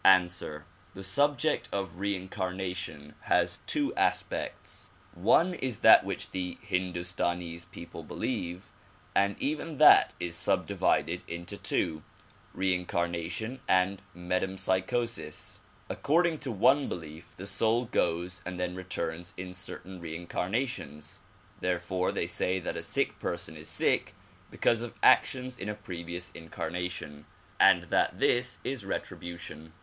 Ansiver: The subject of reincarnation has two aspects. One is that which the Hindastanese people believe, and even that is sub divided into two ;— reincarnation and metempsychosis. According to one belief the soul goes and then returns in certain reincarna tions ; therefore they say that a sick person is sick because of actions in a previous incarnation and that this is retribution.